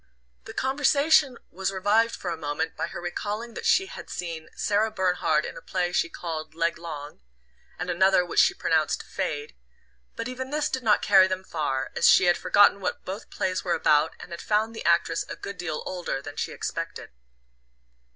The conversation was revived for a moment by her recalling that she had seen Sarah Bernhard in a play she called "Leg long," and another which she pronounced "Fade"; but even this did not carry them far, as she had forgotten what both plays were about and had found the actress a good deal older than she expected.